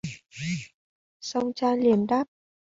song trai liền đáp